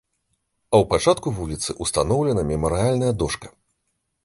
А ў пачатку вуліцы ўстаноўлена мемарыяльная дошка.